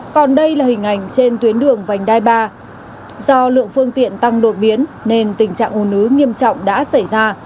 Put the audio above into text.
còn đây là hình ảnh trên tuyến đường vành đai ba do lượng phương tiện tăng đột biến nên tình trạng u nứ nghiêm trọng đã xảy ra